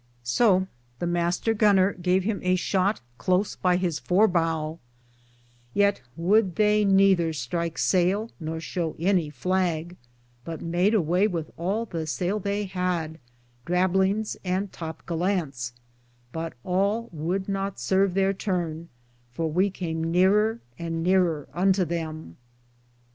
THE DUNKIRKERS. 9 all, but hitt him not, so the Mr. goner gave him a shott cloce by his fore bowe^ ; yeat would they nether strike sayle, nor show any flagge, but made away with all the sayle they had, drablings^ and topgalands, but all would not serve their turne, for we came nearer and nearer unto them.